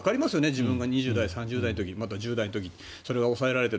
自分が２０代、３０代の時また１０代の時にそれが抑えられない。